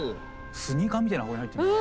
スニーカーみたいな箱に入ってる。